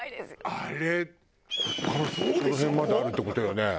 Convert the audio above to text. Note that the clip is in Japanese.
あれここからこの辺まであるって事よね。